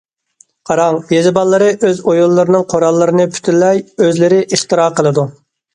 قاراڭ، يېزا بالىلىرى ئۆز ئويۇنلىرىنىڭ قوراللىرىنى پۈتۈنلەي ئۆزلىرى ئىختىرا قىلىدۇ.